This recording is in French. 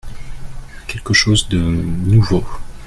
Quelque chose de nouveau.